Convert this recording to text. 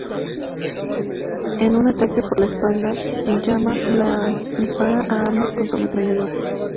En un ataque por la espalda, Kiriyama las dispara a ambas con su ametralladora.